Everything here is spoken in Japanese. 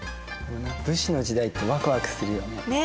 武士の時代ってわくわくするよね。ね！